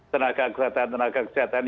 tenaga kesehatan tenaga kesehatan